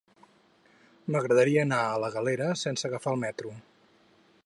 M'agradaria anar a la Galera sense agafar el metro.